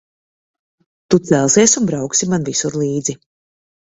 Tu celsies un brauksi man visur līdzi.